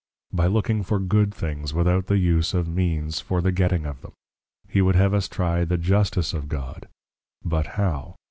By looking for good things, without the use of Means for the getting of them. He would have us trie the Justice of God; but how?